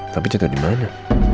tapi jatuh di mana